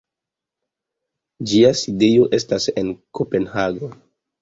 Ĝia sidejo estas en Kopenhago.